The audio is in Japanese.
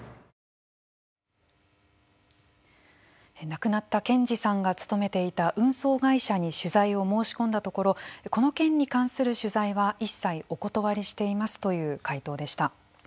亡くなった健司さんが勤めていた運送会社に取材を申し込んだところ「この件に関する取材は一切お断りしています」という回答でした。